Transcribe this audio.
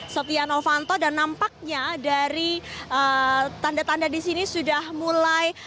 setia novanto dan nampaknya dari tanda tanda di sini sudah mulai